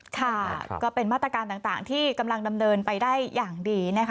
ค่ะก็เป็นมาตรการต่างที่กำลังดำเนินไปได้อย่างดีนะคะ